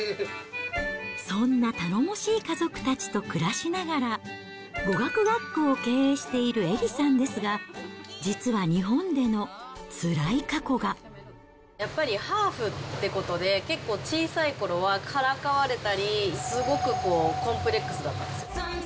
そんな頼もしい家族たちと暮らしながら、語学学校を経営しているエリさんですが、やっぱり、ハーフってことで、結構、小さいころはからかわれたり、すごくコンプレックスだったんですよ。